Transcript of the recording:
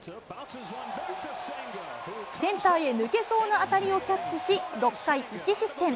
センターへ抜けそうな当たりをキャッチし、６回１失点。